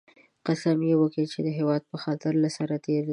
قسم یې وکی چې د هېواد په خاطر له سره تېر دی